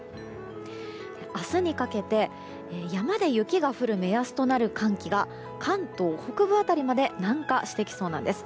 明日にかけて山で雪が降る目安となる寒気が関東北部辺りまで南下してきそうなんです。